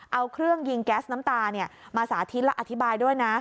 เอาเครื่องยิงแก๊สน้ำตามาสาธิตและอธิบายด้วยนะ